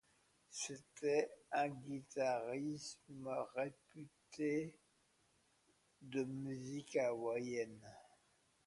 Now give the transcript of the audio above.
C'était un guitariste réputé de musique hawaïenne.